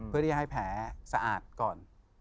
เพื่อที่จะให้แผลสะอาดก่อน